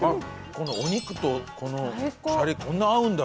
このお肉とこのシャリこんな合うんだ！